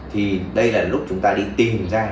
thì đây là lúc chúng ta đi tìm ra